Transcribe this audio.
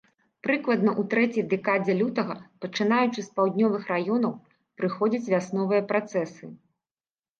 Прыкладна ў трэцяй дэкадзе лютага, пачынаючы з паўднёвых раёнаў, прыходзяць вясновыя працэсы.